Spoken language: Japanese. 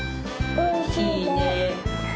おいしいね。